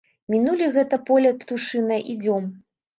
Мінулі гэта поле птушынае, ідзём.